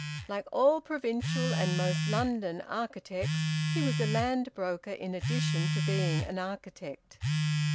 Like all provincial, and most London, architects, he was a land broker in addition to being an architect.